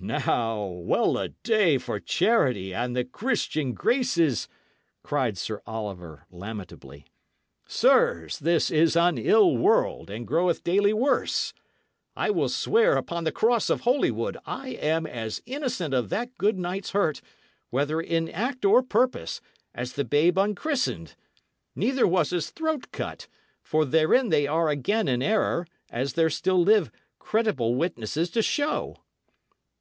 "Now, well a day for charity and the Christian graces!" cried Sir Oliver, lamentably. "Sirs, this is an ill world, and groweth daily worse. I will swear upon the cross of Holywood I am as innocent of that good knight's hurt, whether in act or purpose, as the babe unchristened. Neither was his throat cut; for therein they are again in error, as there still live credible witnesses to show."